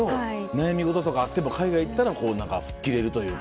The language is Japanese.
悩み事とかあっても海外行ったら何か吹っ切れるというか。